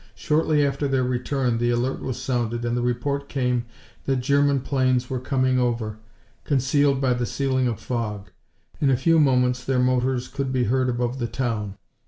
Shortly after their return the alert was sounded and the report came that German planes were coming over, concealed by the ceiling of fog. In a few moments their motors could be heard above the town.